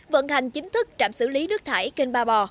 vận hành chính thức trạm xử lý nước thải kênh ba bò